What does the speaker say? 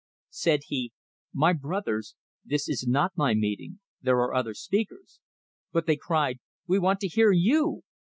Said he, "My brothers, this is not my meeting, there are other speakers " But they cried, "We want to hear you!"